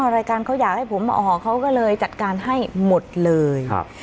รายการเขาอยากให้ผมมาออกเขาก็เลยจัดการให้หมดเลยครับ